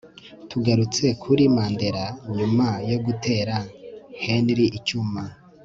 tugarutse kuri Mandela nyuma yo gutera henry icyuma